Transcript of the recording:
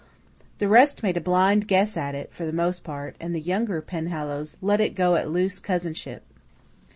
The rest made a blind guess at it, for the most part, and the younger Penhallows let it go at loose cousinship.